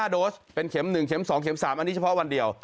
๕๗๐๘๖๕โดสเป็นเข็มหนึ่งเข็มสองเข็มสามอันนี้เฉพาะวันเดียว